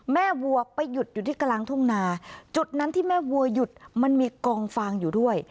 วัวไปหยุดอยู่ที่กลางทุ่งนาจุดนั้นที่แม่วัวหยุดมันมีกองฟางอยู่ด้วย